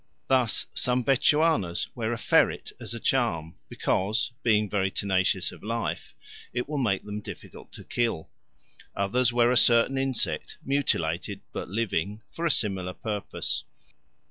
Thus some Bechuanas wear a ferret as a charm, because, being very tenacious of life, it will make them difficult to kill. Others wear a certain insect, mutilated, but living, for a similar purpose.